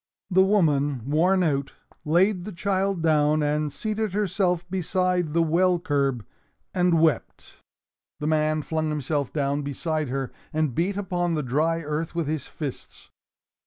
The woman, worn out, laid the child down and seated herself beside the well curb, and wept. The man flung himself down beside her and beat upon the dry earth with his fists.